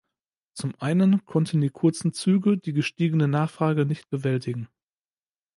Zum einen konnten die kurzen Züge die gestiegene Nachfrage nicht bewältigen.